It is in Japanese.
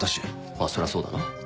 まあそりゃそうだな。